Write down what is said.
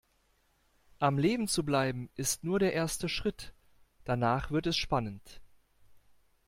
Am Leben zu bleiben ist nur der erste Schritt, danach wird es spannend.